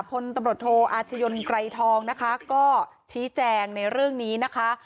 พลตำรวจโทอาชญนไกรทองนะคะก็ชี้แจงในเรื่องนี้นะคะ